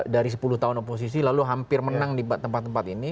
dari sepuluh tahun oposisi lalu hampir menang di tempat tempat ini